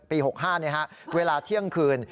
เดือน๑๔๖๕เนี่ยฮะเวลาเที่ยงคืน